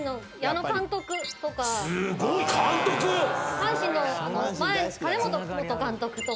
阪神の金本元監督とか。